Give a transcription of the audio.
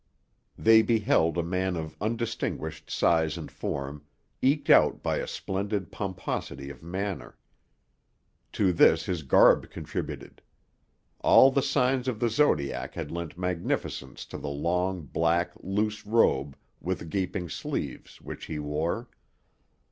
They beheld a man of undistinguished size and form, eked out by a splendid pomposity of manner. To this his garb contributed. All the signs of the zodiac had lent magnificence to the long, black, loose robe with gaping sleeves, which he wore.